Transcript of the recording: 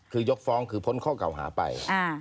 คือยกฟ้องคือพ้นข้อเก่าหาไป